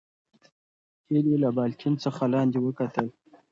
هیلې له بالکن څخه لاندې وکتل.